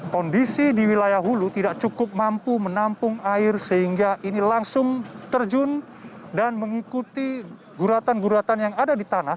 kondisi di wilayah hulu tidak cukup mampu menampung air sehingga ini langsung terjun dan mengikuti guratan guratan yang ada di tanah